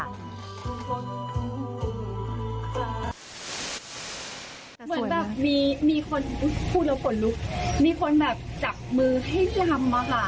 เหมือนแบบมีคนพูดแล้วขนลุกมีคนแบบจับมือให้ลำอะค่ะ